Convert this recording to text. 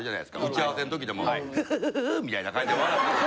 打ち合わせん時でも「フフフ」みたいな感じで笑ってね。